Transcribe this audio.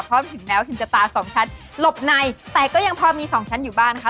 เพราะถึงแม้หินจะตาสองชั้นหลบในแต่ก็ยังพอมีสองชั้นอยู่บ้างนะคะ